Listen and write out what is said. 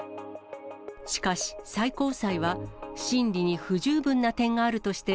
しかし、最高裁は審理に不十分な点があるとして、